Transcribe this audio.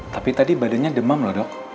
tapi tadi badannya demam loh dok